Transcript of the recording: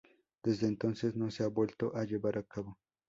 Desde entonces, no se ha vuelto a llevar a cabo.